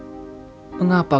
mengapa kau begitu manja padaku